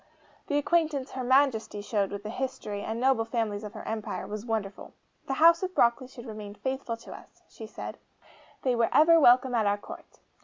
The acquaintance HER MAJESTY showed with the history, and noble families of her empire, was wonderful. 'The House of Broccoli should remain faithful to us,' she said; 'they were ever welcome at our Court.